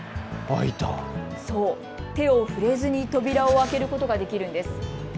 手を触れずに扉を開けることができるんです。